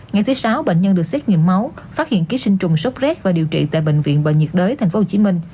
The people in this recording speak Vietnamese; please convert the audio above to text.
ngày thứ sáu bệnh nhân được xét nghiệm máu phát hiện ký sinh trùng sốt rét và điều trị tại bệnh viện bệnh nhiệt đới tp hcm